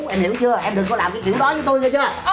em hiểu chưa em đừng có làm cái kiểu đó với tôi nghe chưa